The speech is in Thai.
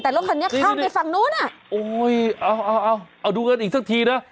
แต่รถคันนี้ข้ามไปฝั่งนู้นอ่ะโอ้ยเอาเอาเอาดูกันอีกสักทีนะ